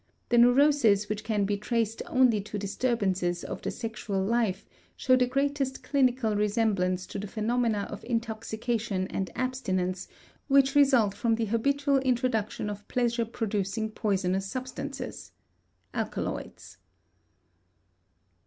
The neuroses which can be traced only to disturbances of the sexual life show the greatest clinical resemblance to the phenomena of intoxication and abstinence which result from the habitual introduction of pleasure producing poisonous substances (alkaloids.)